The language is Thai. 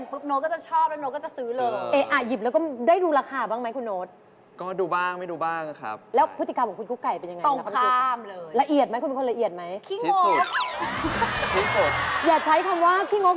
ผู้จือกรรมของฝ่ายตรงข้ามเป็นอย่างไรบ้าง